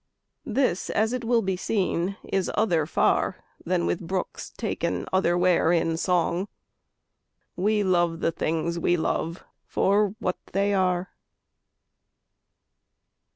This as it will be seen is other far Than with brooks taken otherwhere in song. We love the things we love for what they are.